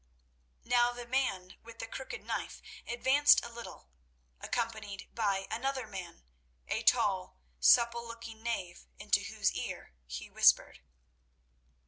Now the man with the crooked knife advanced a little, accompanied by another man, a tall, supple looking knave, into whose ear he whispered.